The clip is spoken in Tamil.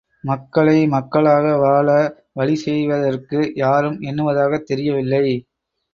மக்களை, மக்களாக வாழ, வழி செய்வதற்கு யாரும் எண்ணுவதாகத் தெரியவில்லை.